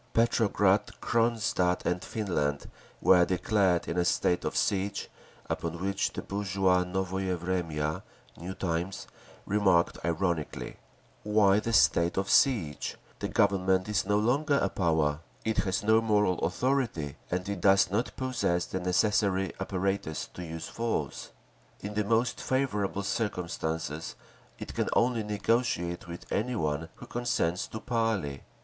Petrograd, Cronstadt and Finland were declared in a state of siege—upon which the bourgeois Novoye Vremya (New Times) remarked ironically: Why the state of siege? The Government is no longer a power. It has no moral authority and it does not possess the necessary apparatus to use force…. In the most favourable circumstances it can only negotiate with any one who consents to parley.